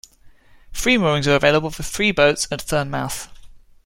Free moorings are available for three boats at Thurne mouth.